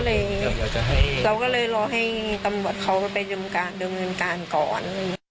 เราก็เลยรอให้ตำรวจเขาไปดำเนินการก่อน